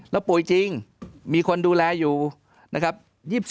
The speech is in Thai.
แล้วป่วยจริงมีคนดูแลอยู่นะครับ